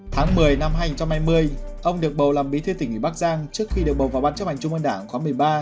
tháng một mươi năm hai nghìn hai mươi ông được bầu làm bí thư tỉnh ủy bắc giang trước khi được bầu vào bắt chấp hành chung môn đảng khoảng một mươi ba